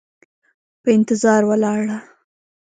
په انتظار ولاړه